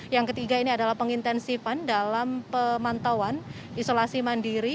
yang ketiga ini adalah pengintensifan dalam pemantauan isolasi mandiri